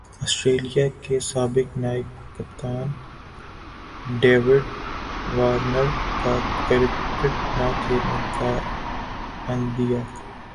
Australia کے سابق نائب کپتان ڈیوڈ وارنر کا کرکٹ نہ کھیلنے کا عندیہ